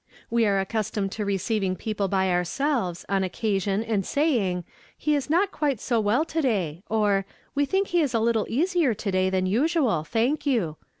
We are accustomed to receiving people by ourselves, on occasion, and saying, 'He is not quite so well to day;' or ' We think he is a little easier to day than usual, tiiank you.'